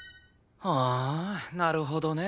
はあなるほどね。